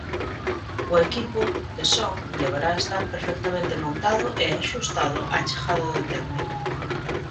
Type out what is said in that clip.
O equipo de son deberá estar perfectamente montado e axustado á chegada do técnico.